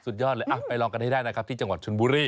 สุดยอดเลยไปลองกันให้ได้นะครับที่จังหวัดชนบุรี